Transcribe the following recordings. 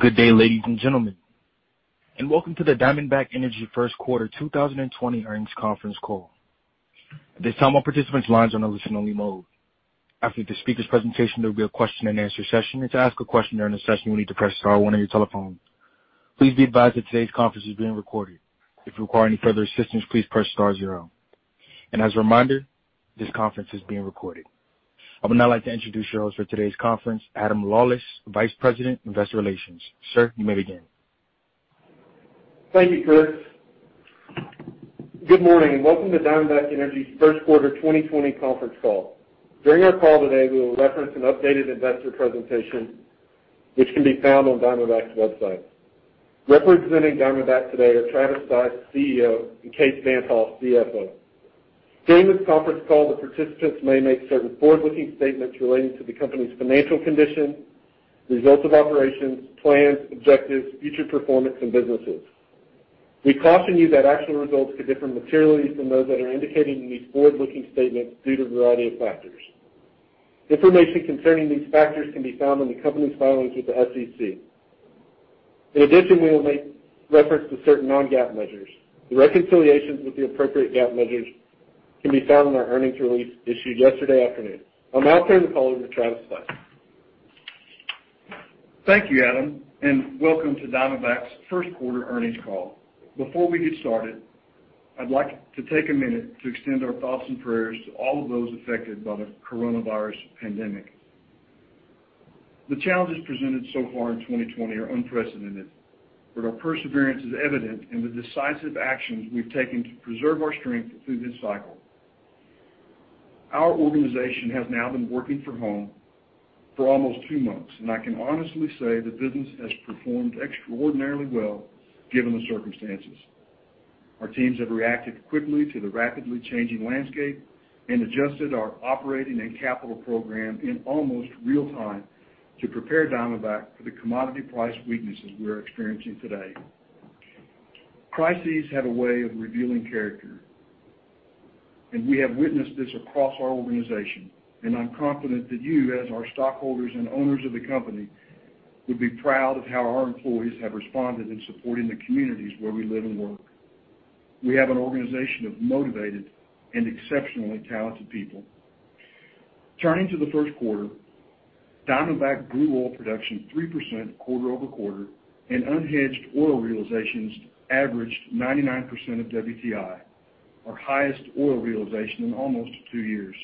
Good day, ladies and gentlemen, welcome to the Diamondback Energy first quarter 2020 earnings conference call. At this time, all participants' lines are in a listen-only mode. After the speakers' presentation, there will be a question-and-answer session. To ask a question during the session, you'll need to press star one on your telephone. Please be advised that today's conference is being recorded. If you require any further assistance, please press star zero. As a reminder, this conference is being recorded. I would now like to introduce your host for today's conference, Adam Lawlis, Vice President, Investor Relations. Sir, you may begin. Thank you, Chris. Good morning and welcome to Diamondback Energy's first quarter 2020 conference call. During our call today, we will reference an updated investor presentation which can be found on Diamondback's website. Representing Diamondback today are Travis Stice, CEO, and Kaes Van't Hof, CFO. During this conference call, the participants may make certain forward-looking statements relating to the company's financial condition, results of operations, plans, objectives, future performance and businesses. We caution you that actual results could differ materially from those that are indicated in these forward-looking statements due to a variety of factors. Information concerning these factors can be found in the company's filings with the SEC. In addition, we will make reference to certain non-GAAP measures. The reconciliations with the appropriate GAAP measures can be found in our earnings release issued yesterday afternoon. I'll now turn the call over to Travis Stice. Thank you, Adam, and welcome to Diamondback's first quarter earnings call. Before we get started, I'd like to take a minute to extend our thoughts and prayers to all of those affected by the coronavirus pandemic. The challenges presented so far in 2020 are unprecedented, but our perseverance is evident in the decisive actions we've taken to preserve our strength through this cycle. Our organization has now been working from home for almost two months, and I can honestly say the business has performed extraordinarily well, given the circumstances. Our teams have reacted quickly to the rapidly changing landscape and adjusted our operating and capital program in almost real time to prepare Diamondback for the commodity price weaknesses we are experiencing today. Crises have a way of revealing character, and we have witnessed this across our organization. I'm confident that you, as our stockholders and owners of the company, would be proud of how our employees have responded in supporting the communities where we live and work. We have an organization of motivated and exceptionally talented people. Turning to the first quarter, Diamondback grew oil production 3% quarter-over-quarter, and unhedged oil realizations averaged 99% of WTI, our highest oil realization in almost two years.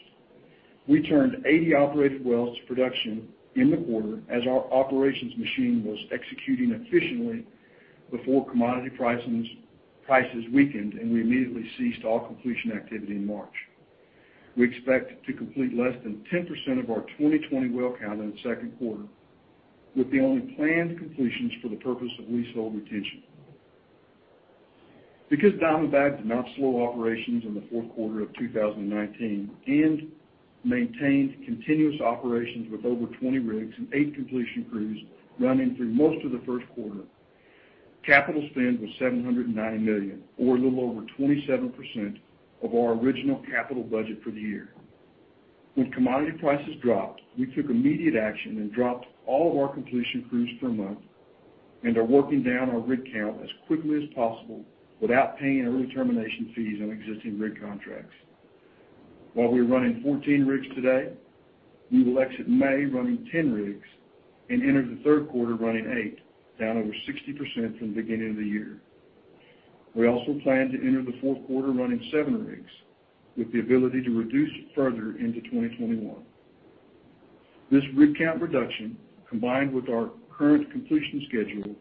We turned 80 operated wells to production in the quarter as our operations machine was executing efficiently before commodity prices weakened, and we immediately ceased all completion activity in March. We expect to complete less than 10% of our 2020 well count in the second quarter, with the only planned completions for the purpose of leasehold retention. Because Diamondback did not slow operations in the fourth quarter of 2019 and maintained continuous operations with over 20 rigs and eight completion crews running through most of the first quarter, capital spend was $709 million, or a little over 27% of our original capital budget for the year. When commodity prices dropped, we took immediate action and dropped all of our completion crews for a month and are working down our rig count as quickly as possible without paying early termination fees on existing rig contracts. While we're running 14 rigs today, we will exit May running 10 rigs and enter the third quarter running eight, down over 60% from the beginning of the year. We also plan to enter the fourth quarter running seven rigs, with the ability to reduce further into 2021. This rig count reduction, combined with our current completion schedule,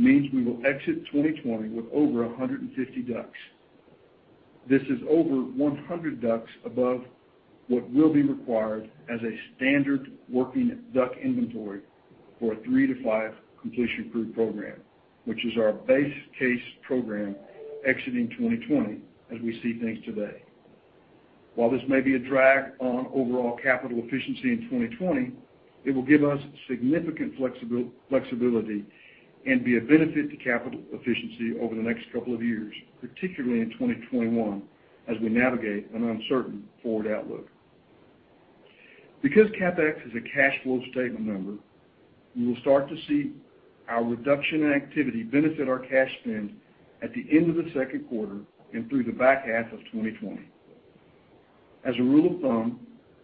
means we will exit 2020 with over 150 DUCs. This is over 100 DUCs above what will be required as a standard working DUC inventory for a three to five completion crew program, which is our base case program exiting 2020 as we see things today. While this may be a drag on overall capital efficiency in 2020, it will give us significant flexibility and be a benefit to capital efficiency over the next couple of years, particularly in 2021 as we navigate an uncertain forward outlook. Because CapEx is a cash flow statement number, we will start to see our reduction in activity benefit our cash spend at the end of the second quarter and through the back half of 2020. As a rule of thumb,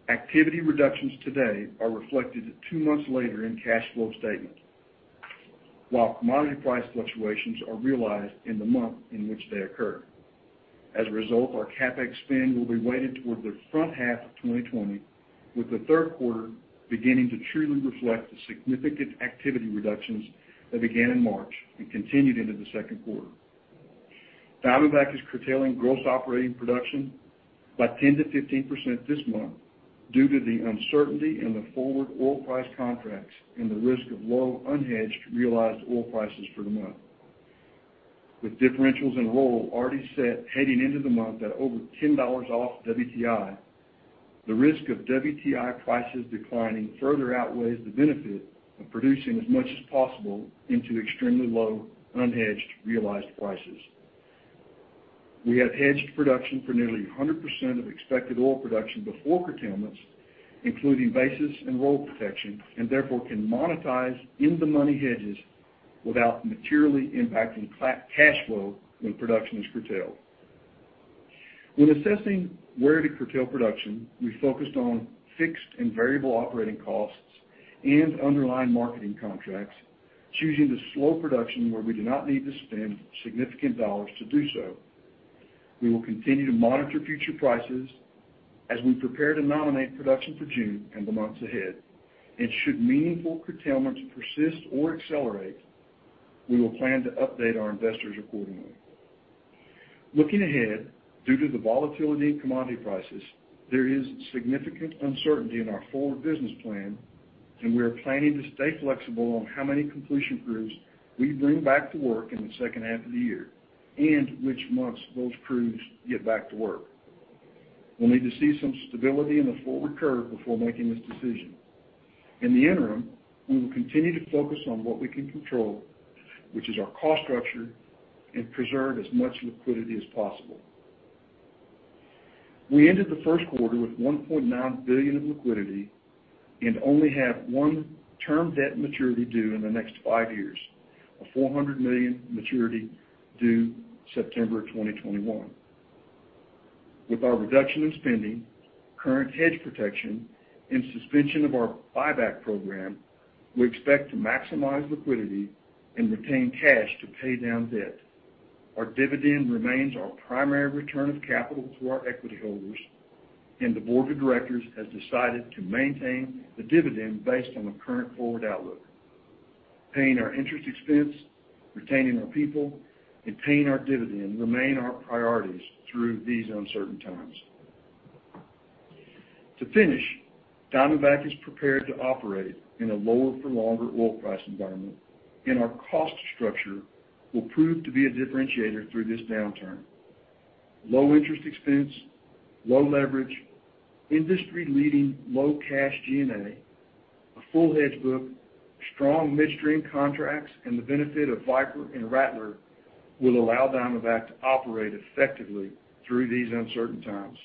activity reductions today are reflected two months later in cash flow statement, while commodity price fluctuations are realized in the month in which they occur. As a result, our CapEx spend will be weighted towards the front half of 2020, with the third quarter beginning to truly reflect the significant activity reductions that began in March and continued into the second quarter. Diamondback is curtailing gross operating production by 10%-15% this month due to the uncertainty in the forward oil price contracts and the risk of low unhedged realized oil prices for the month. With differentials in roll already set heading into the month at over $10 off WTI, the risk of WTI prices declining further outweighs the benefit of producing as much as possible into extremely low unhedged realized prices. We have hedged production for nearly 100% of expected oil production before curtailments, including basis and roll protection, and therefore can monetize in-the-money hedges without materially impacting cash flow when production is curtailed. When assessing where to curtail production, we focused on fixed and variable operating costs and underlying marketing contracts, choosing to slow production where we do not need to spend significant dollars to do so. We will continue to monitor future prices as we prepare to nominate production for June and the months ahead, and should meaningful curtailments persist or accelerate, we will plan to update our investors accordingly. Looking ahead, due to the volatility in commodity prices, there is significant uncertainty in our forward business plan, and we are planning to stay flexible on how many completion crews we bring back to work in the second half of the year, and which months those crews get back to work. We'll need to see some stability in the forward curve before making this decision. In the interim, we will continue to focus on what we can control, which is our cost structure and preserve as much liquidity as possible. We ended the first quarter with $1.9 billion in liquidity and only have one term debt maturity due in the next five years, a $400 million maturity due September of 2021. With our reduction in spending, current hedge protection, and suspension of our buyback program, we expect to maximize liquidity and retain cash to pay down debt. Our dividend remains our primary return of capital to our equity holders, and the board of directors has decided to maintain the dividend based on the current forward outlook. Paying our interest expense, retaining our people, and paying our dividend remain our priorities through these uncertain times. To finish, Diamondback is prepared to operate in a lower-for-longer oil price environment, and our cost structure will prove to be a differentiator through this downturn. Low interest expense, low leverage, industry-leading low cash G&A, a full hedge book, strong midstream contracts, and the benefit of Viper and Rattler will allow Diamondback to operate effectively through these uncertain times.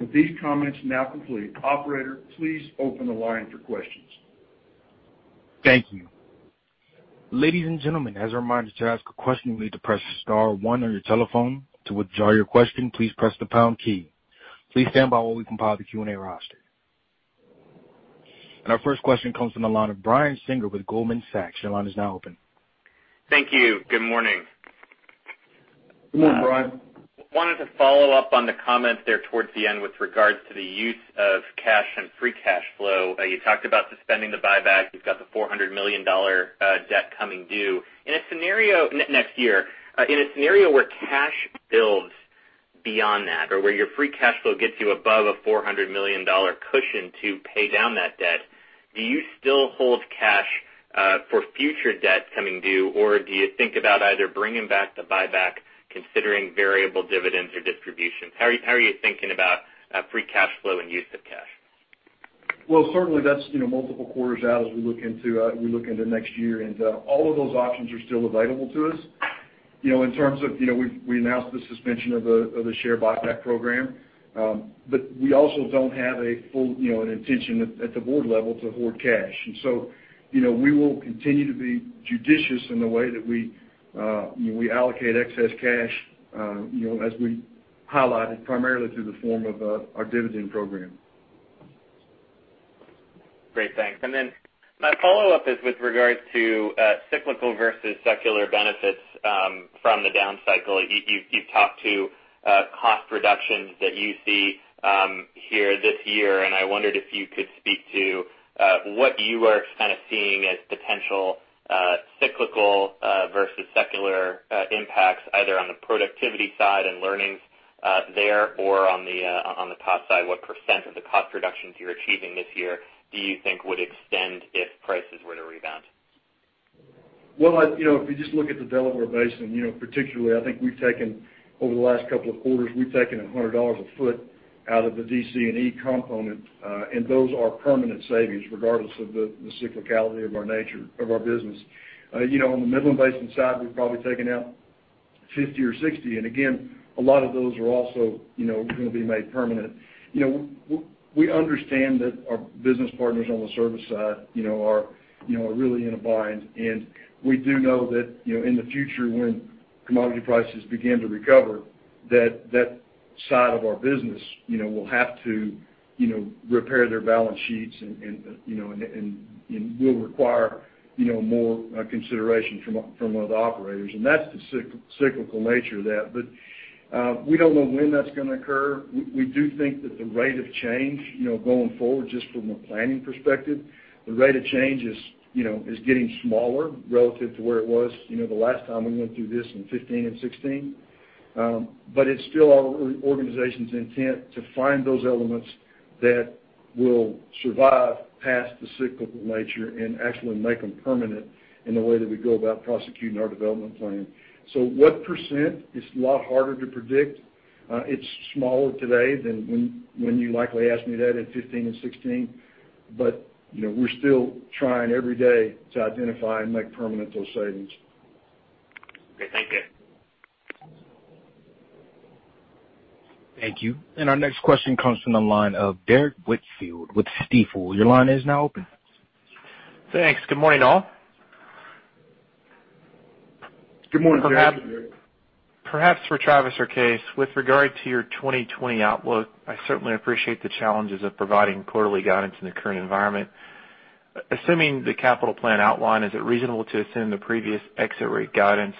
With these comments now complete, operator, please open the line for questions. Thank you. Ladies and gentlemen, as a reminder, to ask a question, you'll need to press star one on your telephone. To withdraw your question, please press the pound key. Please stand by while we compile the Q&A roster. Our first question comes from the line of Brian Singer with Goldman Sachs. Your line is now open. Thank you. Good morning. Good morning, Brian. Wanted to follow up on the comments there towards the end with regards to the use of cash and free cash flow. You talked about suspending the buyback. You've got the $400 million debt coming due next year. In a scenario where cash builds beyond that, or where your free cash flow gets you above a $400 million cushion to pay down that debt, do you still hold cash for future debt coming due, or do you think about either bringing back the buyback, considering variable dividends or distributions? How are you thinking about free cash flow and use of cash? Well, certainly that's multiple quarters out as we look into next year. All of those options are still available to us. In terms of, we announced the suspension of the share buyback program. We also don't have a full intention at the board level to hoard cash. We will continue to be judicious in the way that we allocate excess cash, as we highlighted primarily through the form of our dividend program. Great, thanks. My follow-up is with regards to cyclical versus secular benefits from the down cycle. You've talked to cost reductions that you see here this year, I wondered if you could speak to what you are kind of seeing as potential cyclical versus secular impacts, either on the productivity side and learnings there or on the cost side. What percent of the cost reductions you're achieving this year do you think would extend if prices were to rebound? Well, if you just look at the Delaware Basin, particularly, I think over the last couple of quarters, we've taken $100 a foot out of the D&C component. Those are permanent savings, regardless of the cyclicality of our nature of our business. On the Midland Basin side, we've probably taken out $50 or $60. Again, a lot of those are also going to be made permanent. We understand that our business partners on the service side are really in a bind, and we do know that in the future when commodity prices begin to recover, that that side of our business will have to repair their balance sheets and will require more consideration from other operators. That's the cyclical nature of that. We don't know when that's going to occur. We do think that the rate of change going forward, just from a planning perspective, the rate of change is getting smaller relative to where it was the last time we went through this in 2015 and 2016. It's still our organization's intent to find those elements that will survive past the cyclical nature and actually make them permanent in the way that we go about prosecuting our development plan. What percent is a lot harder to predict. It's smaller today than when you likely asked me that in 2015 and 2016. We're still trying every day to identify and make permanent those savings. Okay. Thank you. Thank you. Our next question comes from the line of Derrick Whitfield with Stifel. Your line is now open. Thanks. Good morning, all. Good morning, Derrick. Perhaps for Travis or Kaes, with regard to your 2020 outlook, I certainly appreciate the challenges of providing quarterly guidance in the current environment. Assuming the capital plan outline, is it reasonable to assume the previous exit rate guidance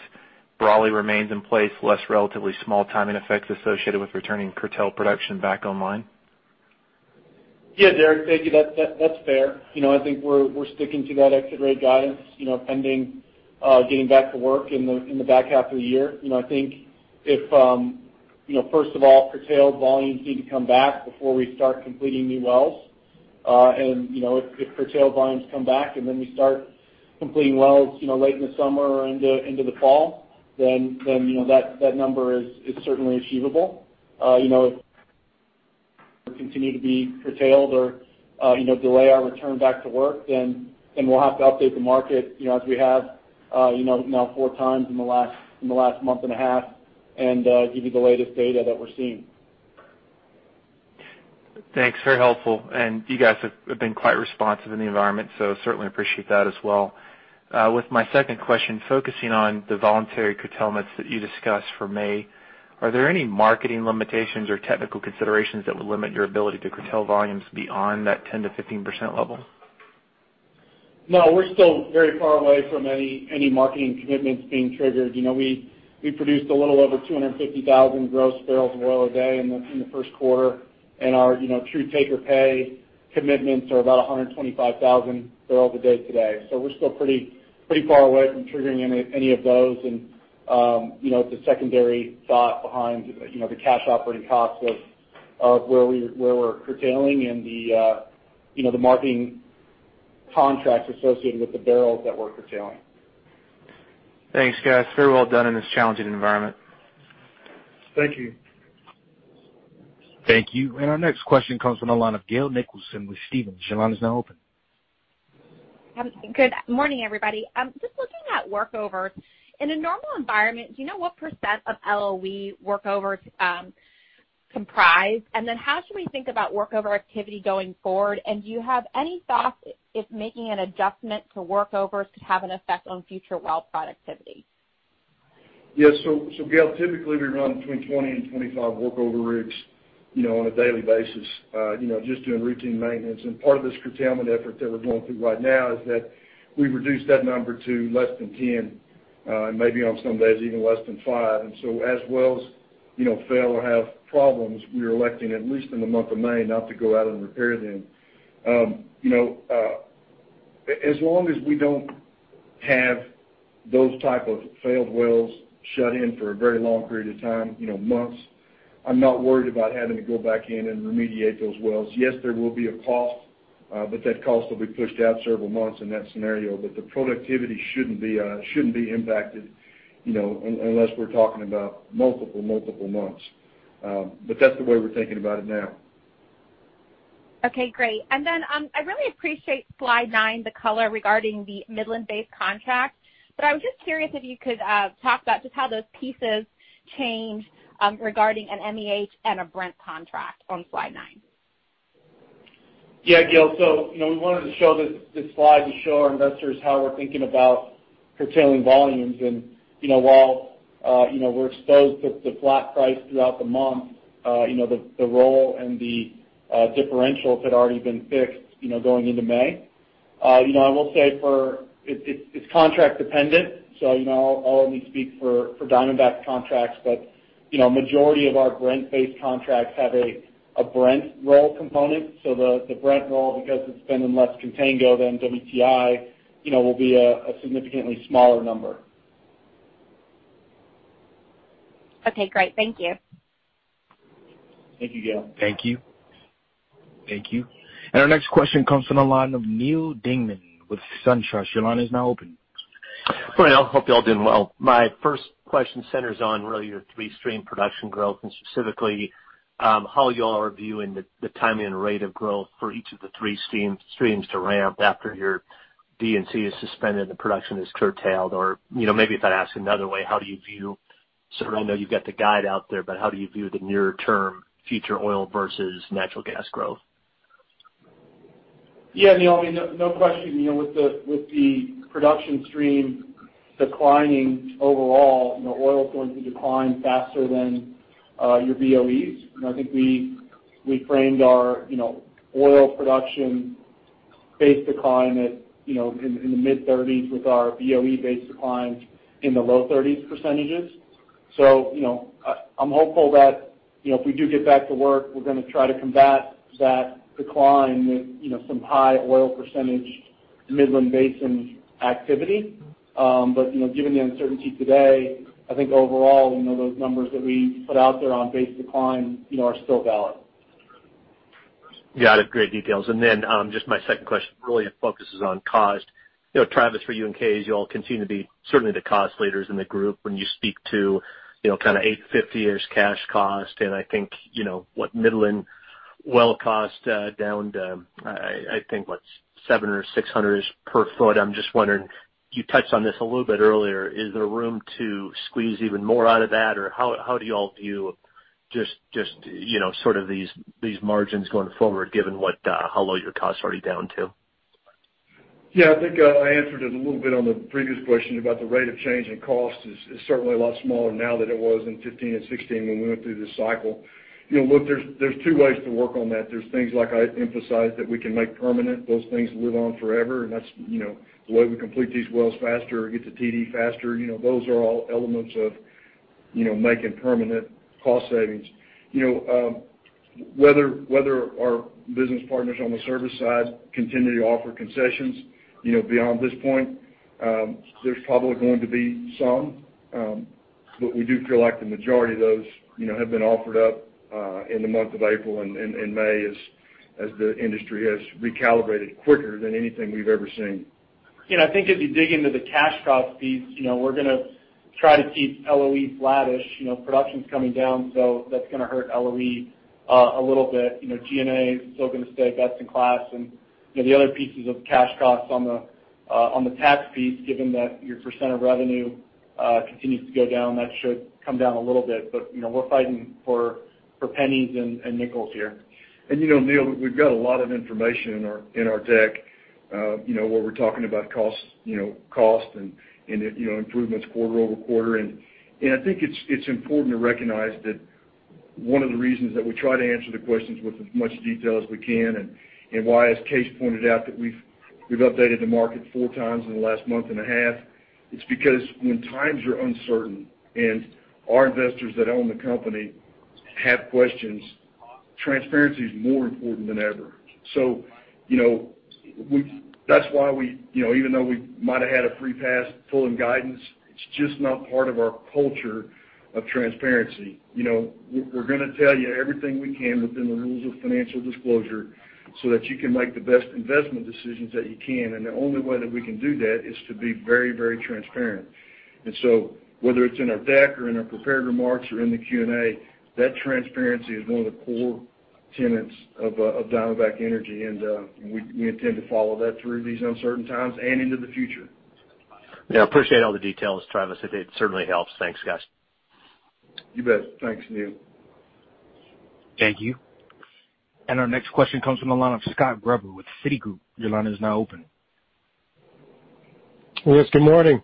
broadly remains in place, less relatively small timing effects associated with returning curtailed production back online? Yeah, Derrick. Thank you. That's fair. I think we're sticking to that exit rate guidance pending getting back to work in the back half of the year. I think, first of all, curtailed volumes need to come back before we start completing new wells. If curtailed volumes come back and then we start completing wells late in the summer or into the fall, then that number is certainly achievable. If they continue to be curtailed or delay our return back to work, then we'll have to update the market as we have now 4x in the last month and a half and give you the latest data that we're seeing. Thanks. Very helpful. You guys have been quite responsive in the environment, so certainly appreciate that as well. With my second question, focusing on the voluntary curtailments that you discussed for May, are there any marketing limitations or technical considerations that would limit your ability to curtail volumes beyond that 10%-15% level? No, we're still very far away from any marketing commitments being triggered. We produced a little over 250,000 gross barrels of oil a day in the first quarter, and our true take or pay commitments are about 125,000 bbl a day today. We're still pretty far away from triggering any of those. It's a secondary thought behind the cash operating costs of where we're curtailing and the marketing contracts associated with the barrels that we're curtailing. Thanks, guys. Very well done in this challenging environment. Thank you. Thank you. Our next question comes from the line of Gail Nicholson with Stephens. Your line is now open. Good morning, everybody. Just looking at workovers, in a normal environment, do you know what percent of LOE workovers comprise? Then how should we think about workover activity going forward? Do you have any thoughts if making an adjustment to workovers could have an effect on future well productivity? Yeah. Gail, typically, we run between 20 and 25 workover rigs on a daily basis just doing routine maintenance. Part of this curtailment effort that we're going through right now is that we've reduced that number to less than 10, and maybe on some days even less than five. As wells fail or have problems, we are electing, at least in the month of May, not to go out and repair them. As long as we don't have those type of failed wells shut in for a very long period of time, months, I'm not worried about having to go back in and remediate those wells. Yes, there will be a cost, but that cost will be pushed out several months in that scenario. The productivity shouldn't be impacted, unless we're talking about multiple months. That's the way we're thinking about it now. Okay, great. I really appreciate slide nine, the color regarding the Midland Basin contract. But I was just curious if you could talk about just how those pieces change regarding an MEH and a Brent contract on slide nine? Yeah, Gail. We wanted to show this slide to show our investors how we're thinking about curtailing volumes. While we're exposed to flat price throughout the month, the roll and the differentials had already been fixed going into May. I will say it's contract dependent. I'll only speak for Diamondback's contracts, but majority of our Brent-based contracts have a Brent roll component. The Brent roll, because it's been in less contango than WTI, will be a significantly smaller number Okay, great. Thank you. Thank you, Gail. Thank you. Our next question comes from the line of Neal Dingmann with SunTrust. Your line is now open. Good morning, all. Hope you're all doing well. My first question centers on really your three stream production growth and specifically how you all are viewing the timing and rate of growth for each of the three streams to ramp after your D&C is suspended and production is curtailed. Maybe if I'd ask another way, so I know you've got the guide out there, but how do you view the near-term future oil versus natural gas growth? Yeah, Neal, no question. With the production stream declining overall, oil's going to decline faster than your BOEs. I think we framed our oil production base decline at in the mid-30s with our BOE base declines in the low 30s percentages. I'm hopeful that if we do get back to work, we're going to try to combat that decline with some high oil percentage Midland Basin activity. Given the uncertainty today, I think overall, those numbers that we put out there on base decline are still valid. Got it. Great details. Just my second question really focuses on cost. Travis, for you, in case you all continue to be certainly the cost leaders in the group when you speak to kind of $850 as cash cost. I think, what Midland well cost down to, I think, what, $700 or $600 per foot. I'm just wondering, you touched on this a little bit earlier. Is there room to squeeze even more out of that? How do you all view just sort of these margins going forward, given how low your costs are already down to? Yeah, I think I answered it a little bit on the previous question about the rate of change in cost is certainly a lot smaller now than it was in 2015 and 2016 when we went through this cycle. Look, there's two ways to work on that. There's things like I emphasized that we can make permanent. Those things live on forever, and that's the way we complete these wells faster or get to TD faster. Those are all elements of making permanent cost savings. Whether our business partners on the service side continue to offer concessions beyond this point, there's probably going to be some. We do feel like the majority of those have been offered up in the month of April and in May as the industry has recalibrated quicker than anything we've ever seen. I think as you dig into the cash cost piece, we're going to try to keep LOE flattish. Production's coming down, so that's going to hurt LOE a little bit. G&A is still going to stay best in class. The other pieces of cash costs on the tax piece, given that your % of revenue continues to go down, that should come down a little bit. We're fighting for pennies and nickels here. Neal, we've got a lot of information in our deck, where we're talking about cost and improvements quarter-over-quarter. I think it's important to recognize that one of the reasons that we try to answer the questions with as much detail as we can, and why, as Kaes pointed out, that we've updated the market 4x in the last month and a half, it's because when times are uncertain and our investors that own the company have questions, transparency is more important than ever. That's why even though we might've had a free pass pulling guidance, it's just not part of our culture of transparency. We're going to tell you everything we can within the rules of financial disclosure so that you can make the best investment decisions that you can. The only way that we can do that is to be very, very transparent. Whether it's in our deck or in our prepared remarks or in the Q&A, that transparency is one of the core tenets of Diamondback Energy. We intend to follow that through these uncertain times and into the future. Yeah, appreciate all the details, Travis. It certainly helps. Thanks, guys. You bet. Thanks, Neal. Thank you. Our next question comes from the line of Scott Gruber with Citigroup. Your line is now open. Yes, good morning.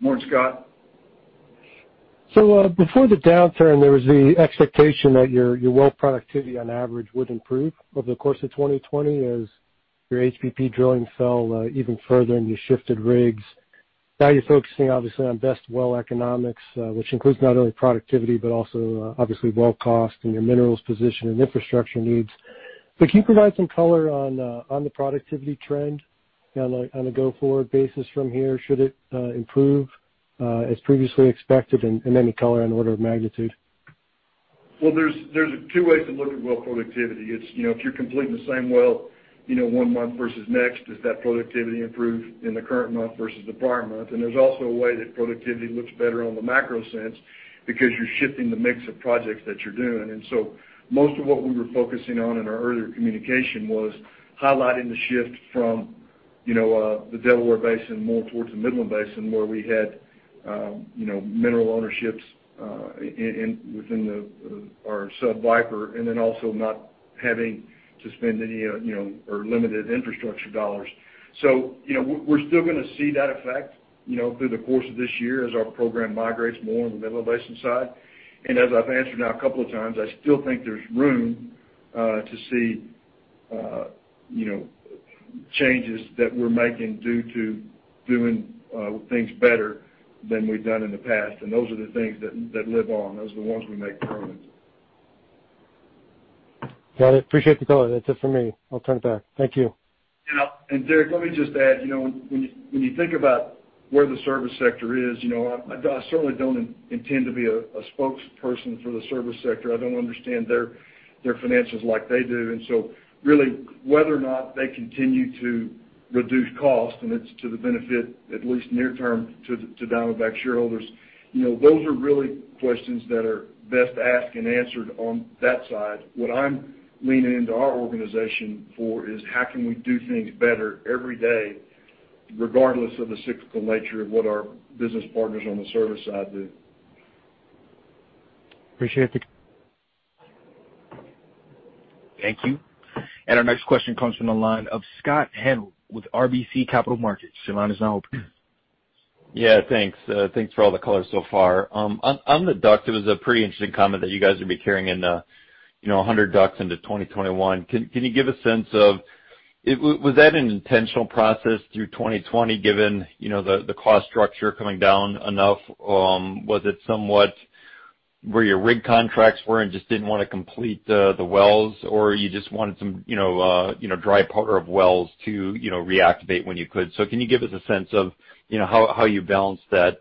Morning, Scott. Before the downturn, there was the expectation that your well productivity on average would improve over the course of 2020 as your HBP drilling fell even further and you shifted rigs. Now you're focusing obviously on best-well economics, which includes not only productivity, but also obviously well cost and your minerals position and infrastructure needs. Can you provide some color on the productivity trend on a go-forward basis from here? Should it improve as previously expected? Any color on order of magnitude? Well, there's two ways to look at well productivity. If you're completing the same well one month versus next, does that productivity improve in the current month versus the prior month? There's also a way that productivity looks better on the macro sense because you're shifting the mix of projects that you're doing. Most of what we were focusing on in our earlier communication was highlighting the shift from the Delaware Basin more towards the Midland Basin, where we had mineral ownerships within our sub-Viper, and then also not having to spend any or limited infrastructure dollars. We're still going to see that effect through the course of this year as our program migrates more on the Midland Basin side. As I've answered now a couple of times, I still think there's room to see changes that we're making due to doing things better than we've done in the past. Those are the things that live on. Those are the ones we make permanent. Got it. Appreciate the color. That's it for me. I'll turn it back. Thank you. Let me just add, when you think about where the service sector is, I certainly don't intend to be a spokesperson for the service sector. I don't understand their financials like they do. really whether or not they continue to reduce cost, and it's to the benefit, at least near term, to Diamondback shareholders, those are really questions that are best asked and answered on that side. What I'm leaning into our organization for is how can we do things better every day, regardless of the cyclical nature of what our business partners on the service side do. Appreciate the- Thank you. Our next question comes from the line of Scott Hanold with RBC Capital Markets. Your line is now open. Yeah, thanks. Thanks for all the color so far. On the DUC, there was a pretty interesting comment that you guys would be carrying in 100 DUCs into 2021. Can you give a sense of, was that an intentional process through 2020 given the cost structure coming down enough? Was it somewhat where your rig contracts were and just didn't want to complete the wells? You just wanted some dry powder of wells to reactivate when you could? Can you give us a sense of how you balance that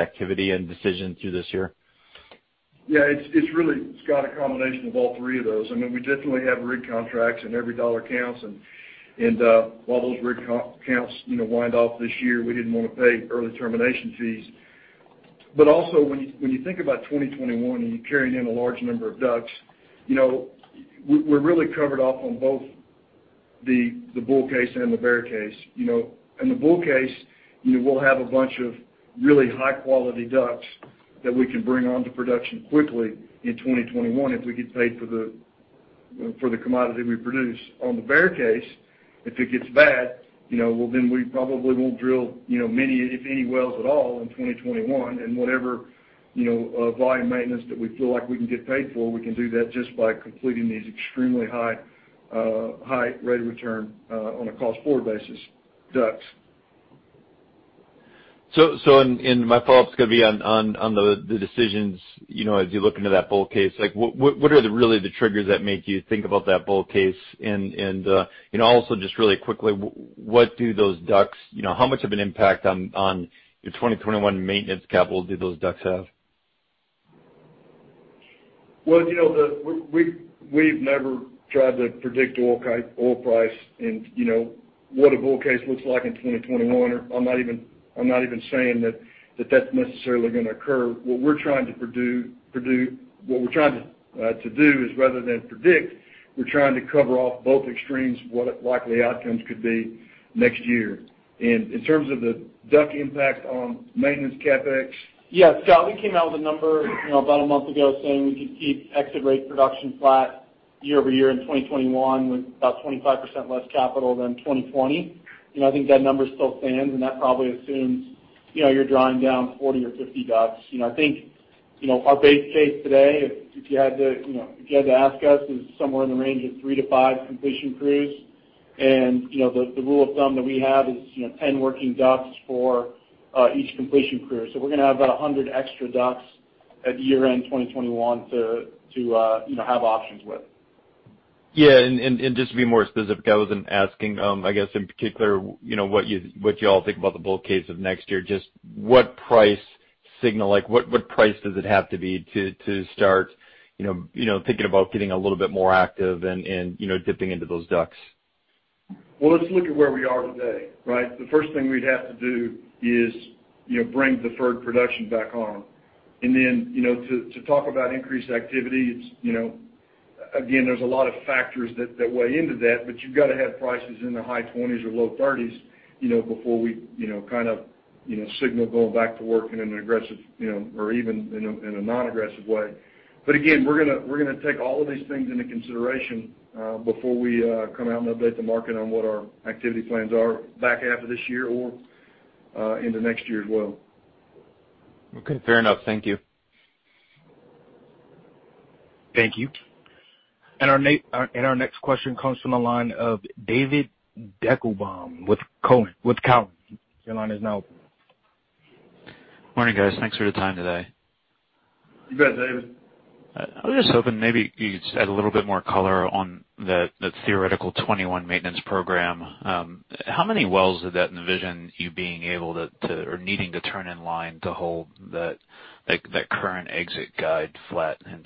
activity and decision through this year? Yeah. It's got a combination of all three of those. We definitely have rig contracts, and every dollar counts. While those rig counts wind off this year, we didn't want to pay early termination fees. Also, when you think about 2021, and you're carrying in a large number of DUCs, we're really covered off on both the bull case and the bear case. In the bull case, we'll have a bunch of really high-quality DUCs that we can bring onto production quickly in 2021 if we get paid for the commodity we produce. On the bear case, if it gets bad, well, then we probably won't drill many, if any, wells at all in 2021. Whatever volume maintenance that we feel like we can get paid for, we can do that just by completing these extremely high rate of return, on a cost-forward basis, DUCs. My follow-up's going to be on the decisions as you look into that bull case. What are really the triggers that make you think about that bull case? Also just really quickly, how much of an impact on your 2021 maintenance capital do those DUCs have? Well, we've never tried to predict oil price and what a bull case looks like in 2021, or I'm not even saying that that's necessarily going to occur. What we're trying to do is rather than predict, we're trying to cover off both extremes, what likely outcomes could be next year. In terms of the DUC impact on maintenance CapEx? Yeah, Scott, we came out with a number about a month ago saying we could keep exit rate production flat year-over-year in 2021 with about 25% less capital than 2020. I think that number still stands, and that probably assumes you're drawing down 40 or 50 DUCs. I think our base case today, if you had to ask us, is somewhere in the range of three to five completion crews. The rule of thumb that we have is 10 working DUCs for each completion crew. We're going to have about 100 extra DUCs at year-end 2021 to have options with. Yeah. just to be more specific, I was then asking, I guess, in particular, what you all think about the bull case of next year. Just what price signal, what price does it have to be to start thinking about getting a little bit more active and dipping into those DUCs? Well, let's look at where we are today, right? The first thing we'd have to do is bring deferred production back on. Then, to talk about increased activity, again, there's a lot of factors that weigh into that, but you've got to have prices in the high 20s or low 30s, before we signal going back to work in an aggressive or even in a non-aggressive way. Again, we're going to take all of these things into consideration before we come out and update the market on what our activity plans are back half of this year or into next year as well. Okay. Fair enough. Thank you. Thank you. Our next question comes from the line of David Deckelbaum with Cowen. Your line is now open. Morning, guys. Thanks for the time today. You bet, David. I was just hoping maybe you could add a little bit more color on the theoretical 2021 maintenance program. How many wells did that envision you being able to, or needing to turn in line to hold that current exit guide flat in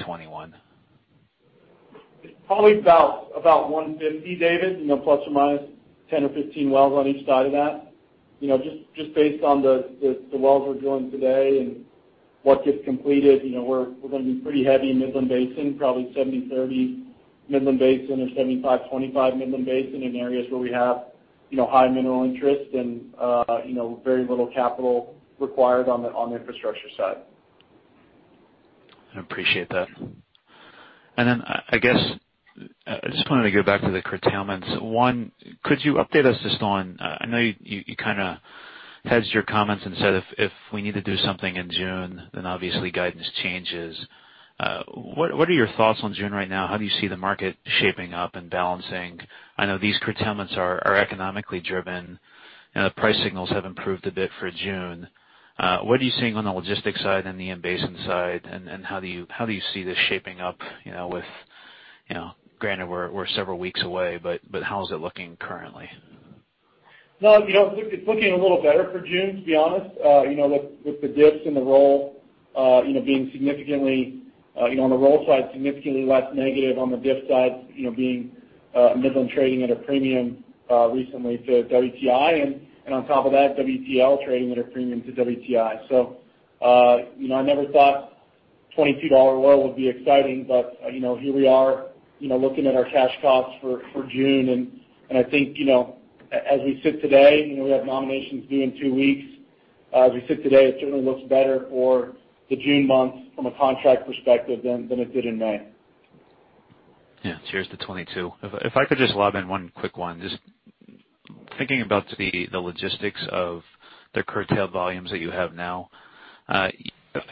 2021? Probably about 150, David, ±10 or ±15 wells on each side of that. Just based on the wells we're drilling today and what gets completed, we're going to be pretty heavy in Midland Basin, probably 70/30 Midland Basin or 75/25 Midland Basin in areas where we have high mineral interest and very little capital required on the infrastructure side. I appreciate that. Then I just wanted to go back to the curtailments. One, could you update us just on I know you hedged your comments and said if we need to do something in June, then obviously guidance changes. What are your thoughts on June right now? How do you see the market shaping up and balancing? I know these curtailments are economically driven. Price signals have improved a bit for June. What are you seeing on the logistics side and the in-basin side, and how do you see this shaping up, with, granted we're several weeks away, but how is it looking currently? Well, it's looking a little better for June, to be honest. With the diffs and the roll being significantly, on the roll side, significantly less negative, on the diff side being Midland trading at a premium recently to WTI, and on top of that, WTL trading at a premium to WTI. I never thought a $22 oil would be exciting, but here we are, looking at our cash costs for June. I think as we sit today, we have nominations due in two weeks. As we sit today, it certainly looks better for the June month from a contract perspective than it did in May. Yeah. Cheers to $22. If I could just lob in one quick one, just thinking about the logistics of the curtail volumes that you have now. I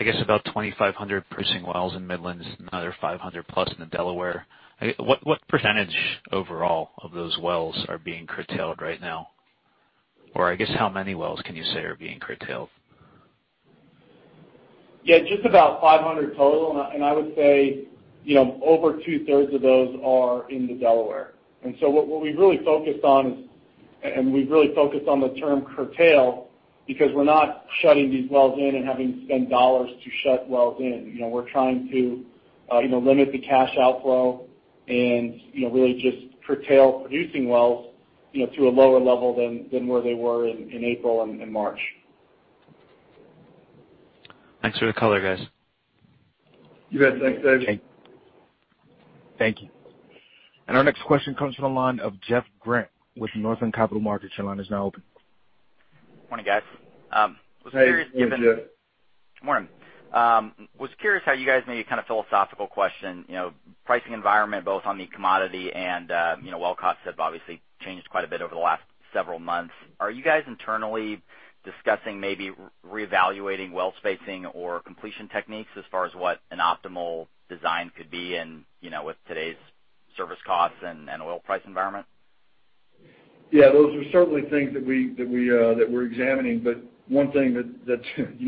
guess about 2,500 producing wells in Midland and another 500+ in the Delaware. What percentage overall of those wells are being curtailed right now? I guess how many wells can you say are being curtailed? Yeah, just about 500 total, and I would say over two-thirds of those are in the Delaware. What we've really focused on the term curtail because we're not shutting these wells in and having to spend dollars to shut wells in. We're trying to limit the cash outflow and really just curtail producing wells to a lower level than where they were in April and March. Thanks for the color, guys. You bet. Thanks, David. Thank you. Our next question comes from the line of Jeff Grampp with Northland Capital Markets. Your line is now open. Morning, guys. Hey. Good morning, Jeff. Morning. Was curious how you guys, maybe a philosophical question. Pricing environment both on the commodity and well cost have obviously changed quite a bit over the last several months. Are you guys internally discussing maybe reevaluating well spacing or completion techniques as far as what an optimal design could be in with today's service costs and oil price environment? Yeah, those are certainly things that we're examining. One thing that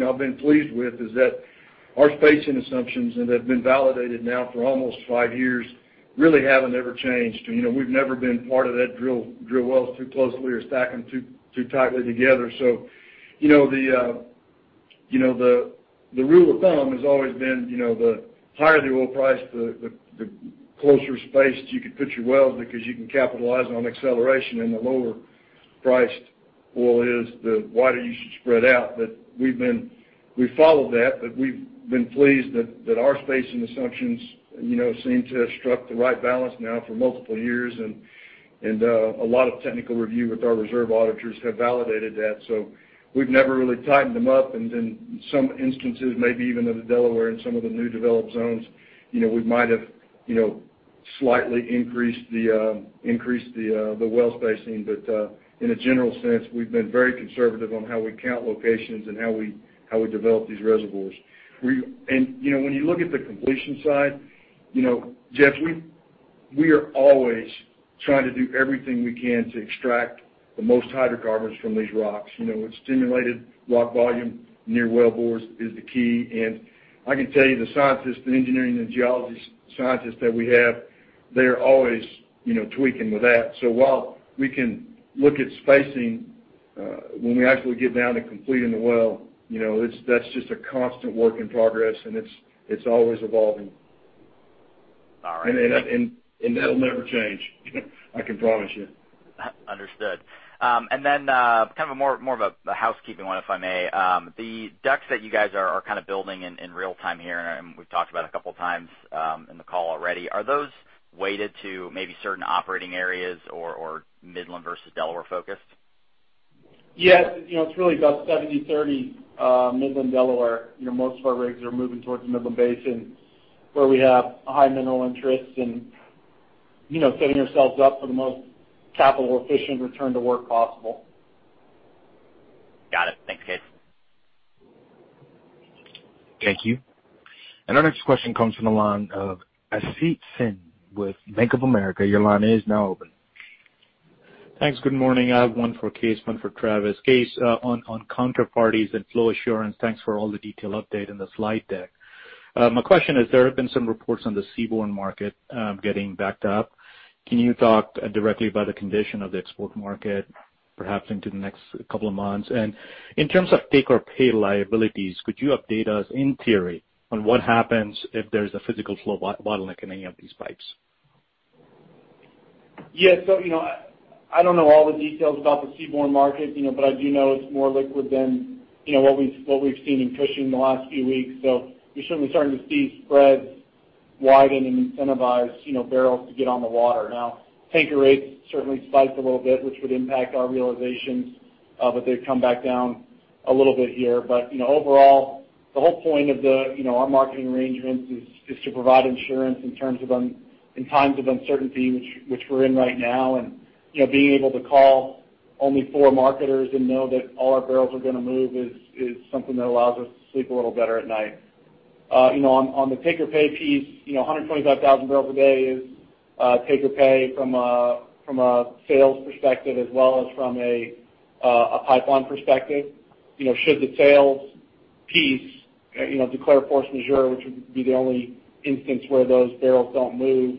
I've been pleased with is that our spacing assumptions, and they've been validated now for almost five years, really haven't ever changed. We've never been part of that drill wells too closely or stack them too tightly together. The rule of thumb has always been, the higher the oil price, the closer spaced you could put your wells because you can capitalize on acceleration, and the lower priced oil is, the wider you should spread out. We've followed that, but we've been pleased that our spacing assumptions seem to have struck the right balance now for multiple years. A lot of technical review with our reserve auditors have validated that. We've never really tightened them up. In some instances, maybe even in the Delaware and some of the new developed zones, we might have slightly increased the well spacing. In a general sense, we've been very conservative on how we count locations and how we develop these reservoirs. When you look at the completion side, Jeff, we are always trying to do everything we can to extract the most hydrocarbons from these rocks. It's stimulated rock volume near well bores is the key. I can tell you the scientists, the engineering, the geology scientists that we have, they are always tweaking with that. While we can look at spacing, when we actually get down to completing the well, that's just a constant work in progress, and it's always evolving. All right. That'll never change, I can promise you. Understood. Kind of more of a housekeeping one, if I may. The DUCs that you guys are building in real-time here, and we've talked about a couple of times in the call already. Are those weighted to maybe certain operating areas or Midland versus Delaware-focused? Yes, it's really about 70/30, Midland, Delaware. Most of our rigs are moving towards the Midland Basin, where we have high mineral interests and setting ourselves up for the most capital-efficient return to work possible. Got it. Thanks, Kaes. Thank you. Our next question comes from the line of Asit Sen with Bank of America. Your line is now open. Thanks. Good morning. I have one for Kaes, one for Travis. Kaes, on counterparties and flow assurance, thanks for all the detail update in the slide deck. My question is, there have been some reports on the seaborne market getting backed up. Can you talk directly about the condition of the export market, perhaps into the next couple of months? In terms of take-or-pay liabilities, could you update us, in theory, on what happens if there's a physical flow bottleneck in any of these pipes? Yeah. I don't know all the details about the seaborne market, but I do know it's more liquid than what we've seen in Cushing in the last few weeks. We're certainly starting to see spreads widen and incentivize barrels to get on the water. Now, tanker rates certainly spiked a little bit, which would impact our realizations. They've come back down a little bit here. Overall, the whole point of our marketing arrangement is to provide insurance in times of uncertainty, which we're in right now. Being able to call only four marketers and know that all our barrels are going to move is something that allows us to sleep a little better at night. On the take-or-pay piece, 125,000 bbl a day is a take or pay from a sales perspective as well as from a pipeline perspective. Should the sales piece declare force majeure, which would be the only instance where those barrels don't move,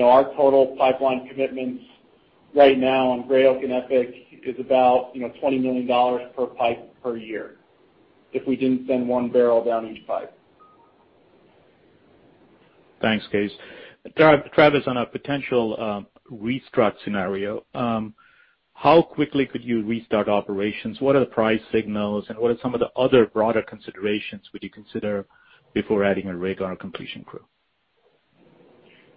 our total pipeline commitments right now on Gray Oak and EPIC is about $20 million per pipe per year, if we didn't send 1 bbl down each pipe. Thanks, Kaes. Travis, on a potential restart scenario, how quickly could you restart operations? What are the price signals, and what are some of the other broader considerations would you consider before adding a rig or a completion crew?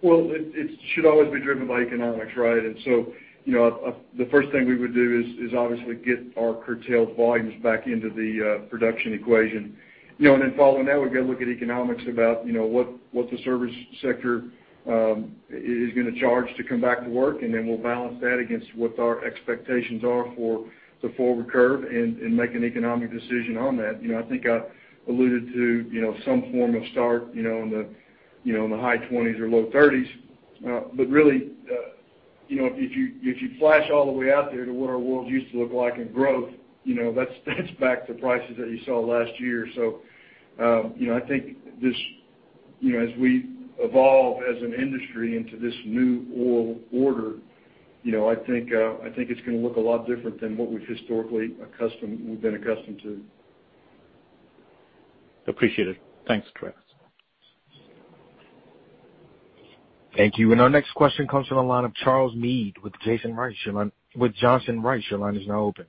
It should always be driven by economics, right? The first thing we would do is obviously get our curtailed volumes back into the production equation. Following that, we've got to look at economics about what the service sector is going to charge to come back to work, and then we'll balance that against what our expectations are for the forward curve and make an economic decision on that. I think I alluded to some form of start in the high 20s or low 30s. Really, if you flash all the way out there to what our world used to look like in growth, that's back to prices that you saw last year. As we evolve as an industry into this new oil order, I think it's going to look a lot different than what we've historically been accustomed to. Appreciate it. Thanks, Travis. Thank you. Our next question comes from the line of Charles Meade with Johnson Rice. Your line is now open.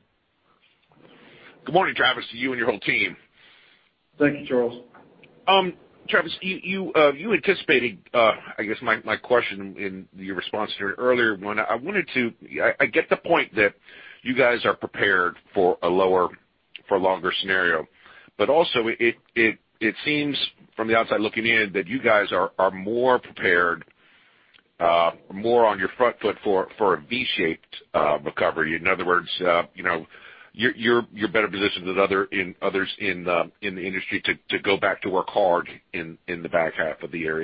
Good morning, Travis, to you and your whole team. Thank you, Charles. Travis, you anticipated, I guess my question in your response during earlier one. I get the point that you guys are prepared for a lower for longer scenario, also it seems from the outside looking in, that you guys are more prepared, more on your front foot for a V-shaped recovery. In other words, you're better positioned than others in the industry to go back to work hard in the back half of the year.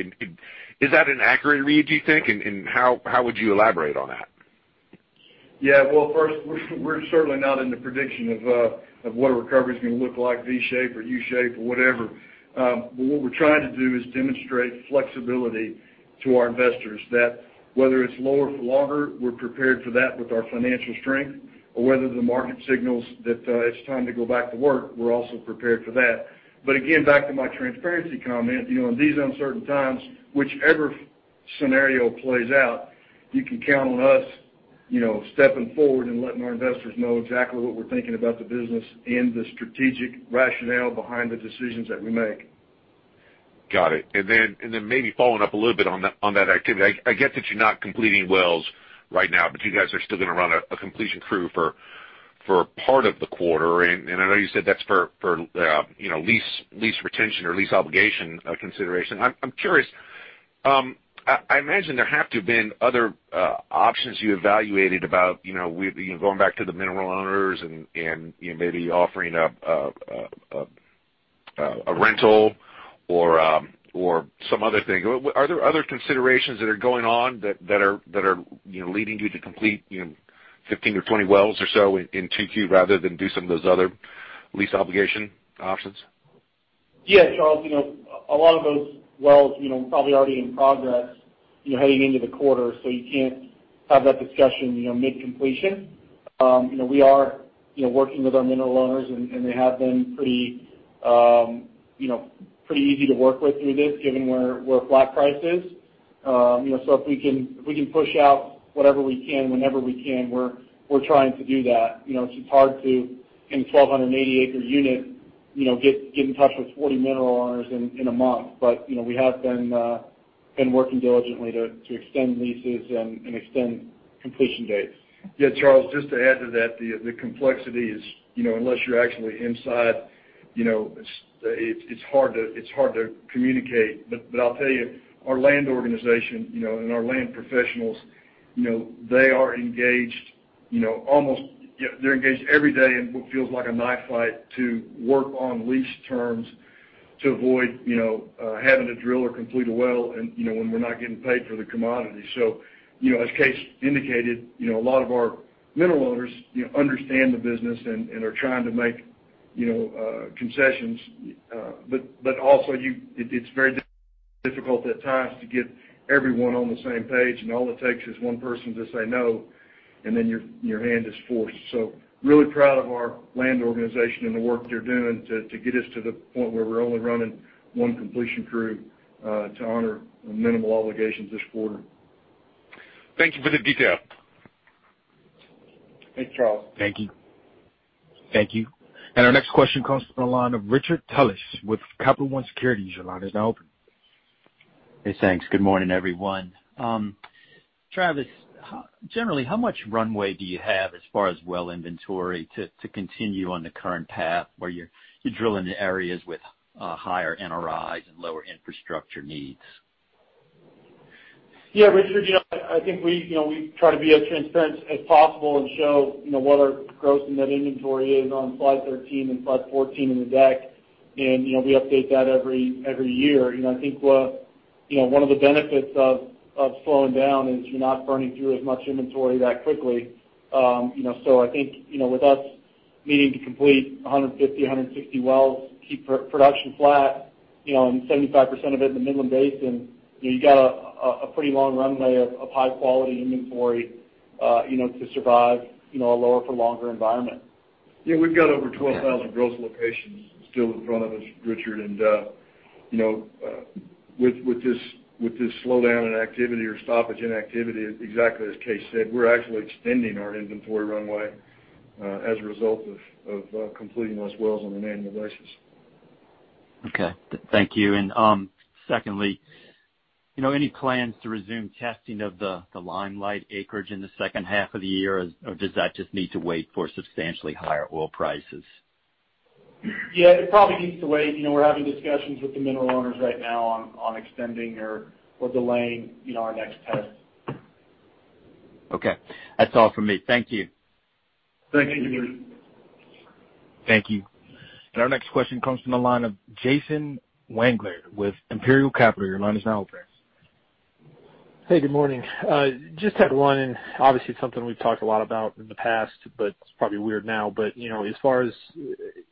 Is that an accurate read, do you think? How would you elaborate on that? Yeah. Well, first, we're certainly not in the prediction of what a recovery's going to look like, V shape or U shape or whatever. What we're trying to do is demonstrate flexibility to our investors that whether it's lower for longer, we're prepared for that with our financial strength, or whether the market signals that it's time to go back to work, we're also prepared for that. Again, back to my transparency comment, in these uncertain times, whichever scenario plays out, you can count on us stepping forward and letting our investors know exactly what we're thinking about the business and the strategic rationale behind the decisions that we make. Got it. Maybe following up a little bit on that activity. I get that you're not completing wells right now, but you guys are still going to run a completion crew for part of the quarter, and I know you said that's for lease retention or lease obligation consideration. I'm curious, I imagine there have to have been other options you evaluated about going back to the mineral owners and maybe offering up a rental or some other thing. Are there other considerations that are going on that are leading you to complete 15 or 20 wells or so in 2Q rather than do some of those other lease obligation options? Yeah, Charles, a lot of those wells probably already in progress heading into the quarter, so you can't have that discussion mid-completion. We are working with our mineral owners, and they have been pretty easy to work with through this given where flat price is. If we can push out whatever we can, whenever we can, we're trying to do that. It's just hard to, in a 1,280-acre unit, get in touch with 40 mineral owners in a month. We have been working diligently to extend leases and extend completion dates. Yeah, Charles, just to add to that, the complexity is, unless you're actually inside, it's hard to communicate. I'll tell you, our land organization, and our land professionals, they are engaged every day in what feels like a knife fight to work on lease terms to avoid having to drill or complete a well and when we're not getting paid for the commodity. As Kaes indicated, a lot of our mineral owners understand the business and are trying to make concessions. Also it's very difficult at times to get everyone on the same page, and all it takes is one person to say no, and then your hand is forced. Really proud of our land organization and the work they're doing to get us to the point where we're only running one completion crew to honor minimal obligations this quarter. Thank you for the detail. Thanks, Charles. Thank you. Our next question comes from the line of Richard Tullis with Capital One Securities. Your line is now open. Hey, thanks. Good morning, everyone. Travis, generally, how much runway do you have as far as well inventory to continue on the current path where you drill into areas with higher NRIs and lower infrastructure needs? Yeah, Richard, I think we try to be as transparent as possible and show what our gross and net inventory is on slide 13 and slide 14 in the deck, and we update that every year. I think one of the benefits of slowing down is you're not burning through as much inventory that quickly. I think with us needing to complete 150-160 wells to keep production flat, and 75% of it in the Midland Basin, you got a pretty long runway of high-quality inventory to survive a lower for longer environment. Yeah, we've got over 12,000 gross locations still in front of us, Richard. With this slowdown in activity or stoppage in activity, exactly as Kaes said, we're actually extending our inventory runway as a result of completing less wells on an annual basis. Okay. Thank you. Secondly, any plans to resume testing of the limelight acreage in the second half of the year, or does that just need to wait for substantially higher oil prices? Yeah, it probably needs to wait. We're having discussions with the mineral owners right now on extending or delaying our next test. Okay. That's all from me. Thank you. Thank you. Thank you. Our next question comes from the line of Jason Wangler with Imperial Capital. Your line is now open. Hey, good morning. Just had one, and obviously it's something we've talked a lot about in the past, but it's probably weird now. As far as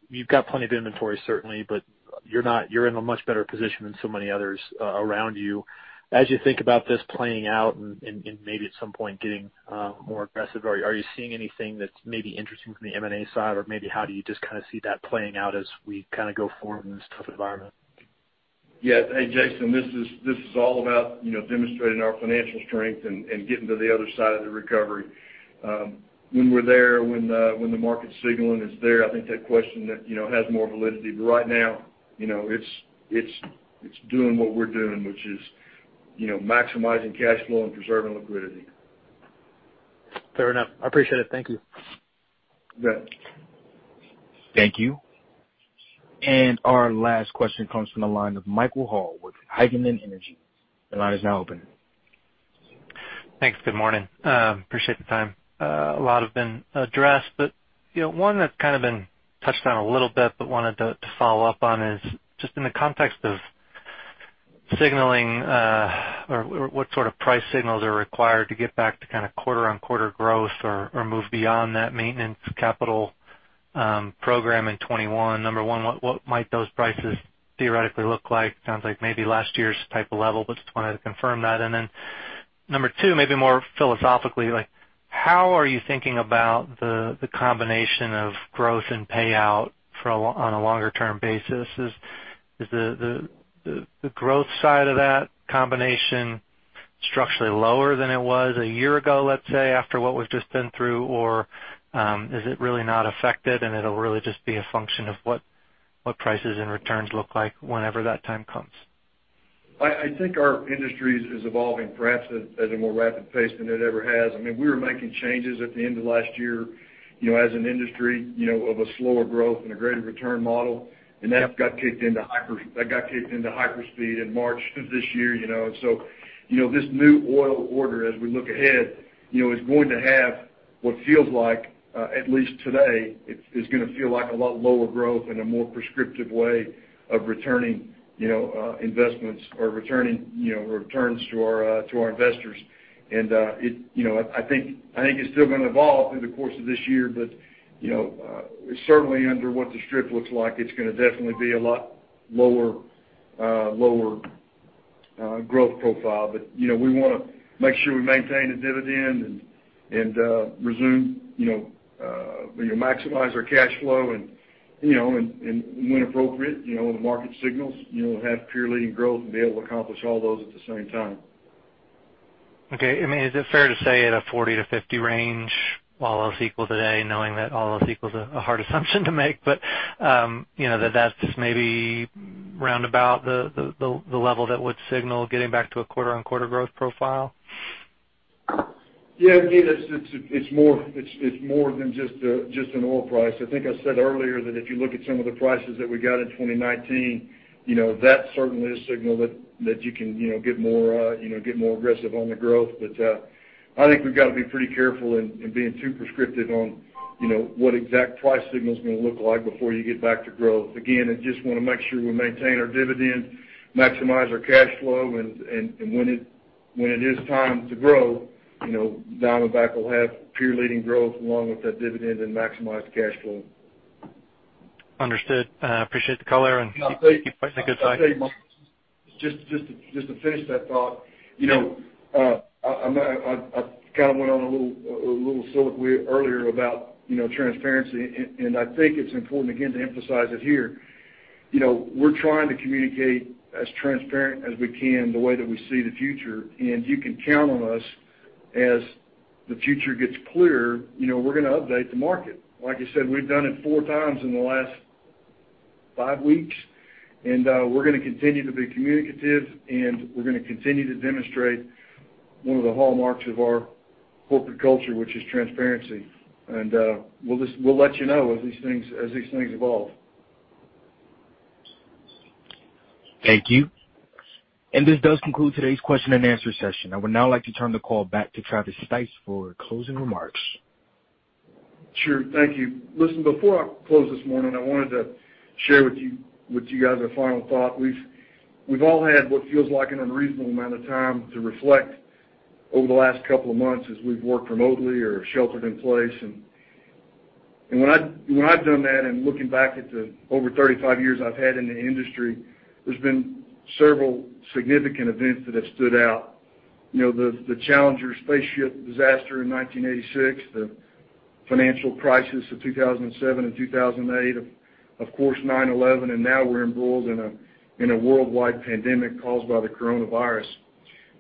you've got plenty of inventory certainly, but you're in a much better position than so many others around you. As you think about this playing out and maybe at some point getting more aggressive, are you seeing anything that's maybe interesting from the M&A side? Maybe how do you just kind of see that playing out as we kind of go forward in this tough environment? Yeah. Hey, Jason, this is all about demonstrating our financial strength and getting to the other side of the recovery. When we're there, when the market's signaling it's there, I think that question then has more validity. Right now, it's doing what we're doing, which is maximizing cash flow and preserving liquidity. Fair enough. I appreciate it. Thank you. You bet. Thank you. Our last question comes from the line of Michael Hall with Heikkinen Energy. Your line is now open. Thanks. Good morning. Appreciate the time. A lot have been addressed. One that's kind of been touched on a little bit, but wanted to follow up on is just in the context of signaling or what sort of price signals are required to get back to kind of quarter-on-quarter growth or move beyond that maintenance capital program in 2021. Number one, what might those prices theoretically look like? Sounds like maybe last year's type of level, but just wanted to confirm that. Number two, maybe more philosophically, how are you thinking about the combination of growth and payout on a longer-term basis? Is the growth side of that combination structurally lower than it was a year ago, let's say, after what we've just been through? Is it really not affected and it'll really just be a function of what prices and returns look like whenever that time comes? I think our industry is evolving perhaps at a more rapid pace than it ever has. We were making changes at the end of last year, as an industry, of a slower growth and a greater return model. That got kicked into hyper speed in March of this year. This new oil order, as we look ahead, is going to have what feels like, at least today, it's going to feel like a lot lower growth and a more prescriptive way of returning investments or returning returns to our investors. I think it's still going to evolve through the course of this year. Certainly under what the strip looks like, it's going to definitely be a lot lower growth profile. We want to make sure we maintain the dividend and maximize our cash flow and when appropriate, when the market signals, have peer-leading growth and be able to accomplish all those at the same time. Okay. Is it fair to say at a 40-50 range, all else equal today, knowing that all else equal is a hard assumption to make, but that's just maybe roundabout the level that would signal getting back to a quarter-on-quarter growth profile? Yeah, it's more than just an oil price. I think I said earlier that if you look at some of the prices that we got in 2019, that certainly is a signal that you can get more aggressive on the growth. I think we've got to be pretty careful in being too prescriptive on what exact price signal's going to look like before you get back to growth. Again, I just want to make sure we maintain our dividend, maximize our cash flow, and when it is time to grow, Diamondback will have peer-leading growth along with that dividend and maximize cash flow. Understood. I appreciate the color. I'll tell you, Michael, just to finish that thought. I kind of went on a little sulk earlier about transparency, and I think it's important again to emphasize it here. We're trying to communicate as transparent as we can the way that we see the future, and you can count on us as the future gets clearer, we're going to update the market. Like I said, we've done it 4x in the last five weeks, and we're going to continue to be communicative, and we're going to continue to demonstrate one of the hallmarks of our corporate culture, which is transparency. We'll let you know as these things evolve. Thank you. This does conclude today's question and answer session. I would now like to turn the call back to Travis Stice for closing remarks. Sure. Thank you. Listen, before I close this morning, I wanted to share with you guys a final thought. We've all had what feels like an unreasonable amount of time to reflect over the last couple of months as we've worked remotely or sheltered in place. When I've done that and looking back at the over 35 years I've had in the industry, there's been several significant events that have stood out. The Challenger spaceship disaster in 1986, the financial crisis of 2007 and 2008, of course, 9/11, and now we're embroiled in a worldwide pandemic caused by the coronavirus.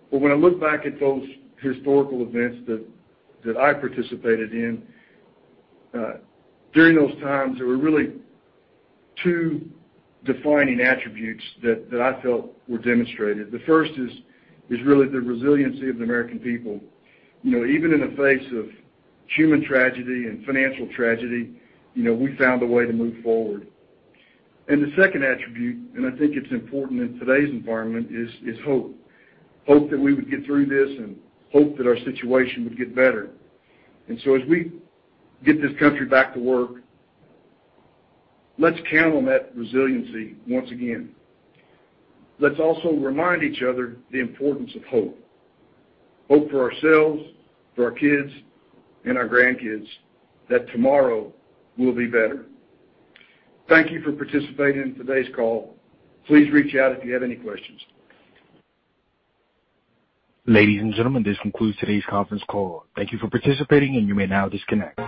When I look back at those historical events that I participated in, during those times, there were really two defining attributes that I felt were demonstrated. The first is really the resiliency of the American people. Even in the face of human tragedy and financial tragedy, we found a way to move forward. The second attribute, and I think it's important in today's environment, is hope. Hope that we would get through this and hope that our situation would get better. As we get this country back to work, let's count on that resiliency once again. Let's also remind each other the importance of hope. Hope for ourselves, for our kids, and our grandkids that tomorrow will be better. Thank you for participating in today's call. Please reach out if you have any questions. Ladies and gentlemen, this concludes today's conference call. Thank you for participating. You may now disconnect.